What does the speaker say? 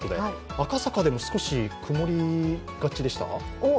赤坂でも少し曇りがちでした？